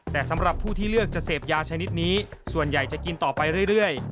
แต่สำหรับผู้ที่เลือกจะเสพยาชนิดนี้ส่วนใหญ่จะกินต่อไปเรื่อย